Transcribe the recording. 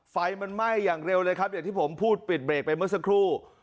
ไฟมันไหม้อย่างเร็วเลยครับอย่างที่ผมพูดปิดเบรกไปเมื่อสักครู่